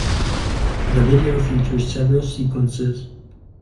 The video features several sequences.